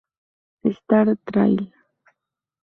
Star trail.